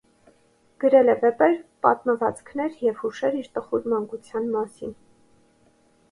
Գրել է վեպեր, պատմվածքներ և հուշեր իր տխուր մանկության մասին։